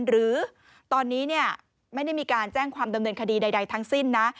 หรือตอนนี้ไม่ได้มีการแจ้งความดำเนินคดีใดทั้งสิ้นนะ